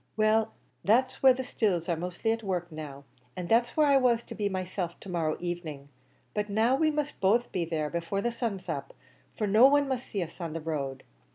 "Well, that's where the stills are mostly at work now, an' that's where I was to be myself, to morrow evening; but now we must both be there before the sun's up, for no one must see us on the road.